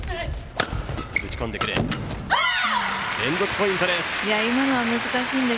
連続ポイントです。